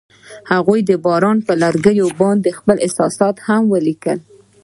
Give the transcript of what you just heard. هغوی د باران پر لرګي باندې خپل احساسات هم لیکل.